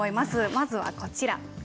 まずはこちら。